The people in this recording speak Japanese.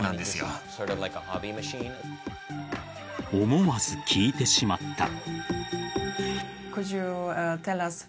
思わず聞いてしまった。